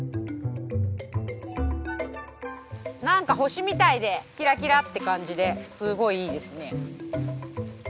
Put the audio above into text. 何か星みたいでキラキラって感じですごいいいですね。